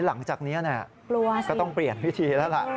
หลังจากนี้ก็ต้องเปลี่ยนพิธีแล้วล่ะ